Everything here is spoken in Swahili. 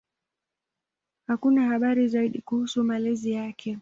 Hakuna habari zaidi kuhusu malezi yake.